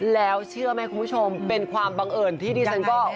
แล้วเชื่อไหมคุณผู้ชมเป็นความบังเอิญที่ดิฉันก็